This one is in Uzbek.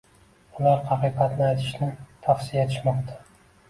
Ular haqiqatni aytishni tavsiya etishmoqda